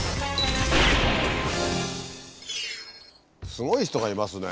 すごい人がいますね。